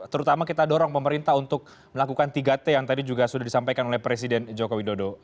terutama kita dorong pemerintah untuk melakukan tiga t yang tadi juga sudah disampaikan oleh presiden joko widodo